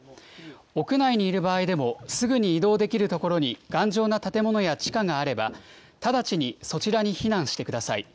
屋内にいる場合でも、すぐに移動できる所に頑丈な建物や地下があれば、直ちにそちらに避難してください。